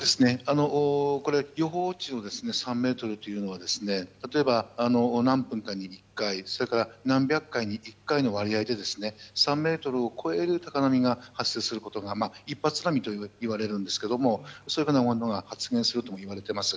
予報値の３ｍというのは例えば、何分かに１回あとは何百回に１回の割合で３ｍを超える高波が発生することが一発波といわれるんですがそういうふうなものが発生するといわれています。